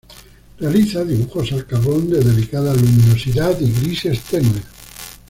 Realiza dibujos al carbón de delicada luminosidad y grises tenues.